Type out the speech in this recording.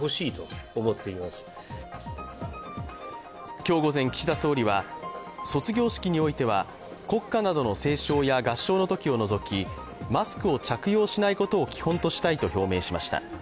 今日午前、岸田総理は、卒業式においては、国歌などの斉唱や合唱のときを除きマスクを着用しないことを基本としたいと表明しました。